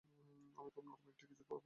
আমি খুব নরম একটা কিছুর উপর পড়েছি।